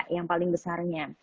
yang paling besarnya